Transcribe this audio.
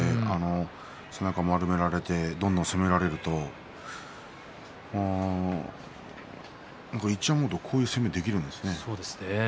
背中丸められてどんどん攻められると一山本、こういう攻めができるんですね。